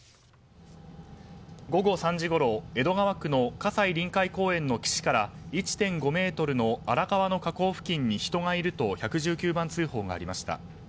午後３時ごろ、江戸川区の葛西臨海公園の岸から１．５ｍの荒川の河口付近に人がいると１１９番通報がありました。